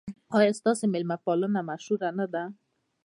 ایا ستاسو میلمه پالنه مشهوره نه ده؟